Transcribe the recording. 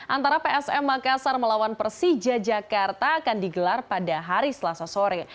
antara psm makassar melawan persija jakarta akan digelar pada hari selasa sore